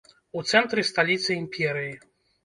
У цэнтры сталіцы імперыі.